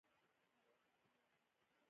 د سیند په دې څنګ کې یو غر وو.